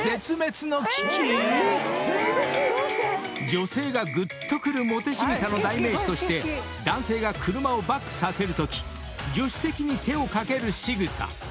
［女性がぐっとくるモテ仕草の代名詞として男性が車をバックさせるとき助手席に手を掛けるしぐさ］